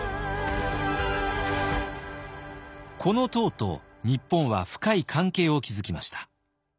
この唐と日本は深い関係を築きました。